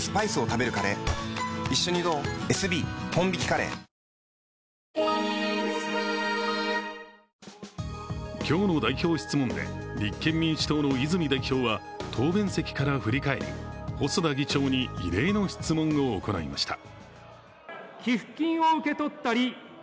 異例の追及に細田議長は今日の代表質問で立憲民主党の泉代表は答弁席から振り返り細田議長に異例の質問を行いました。